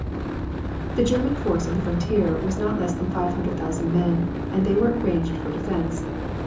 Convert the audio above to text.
The German force on the frontier was not less than five hundred thousand men, and they were arranged for defense.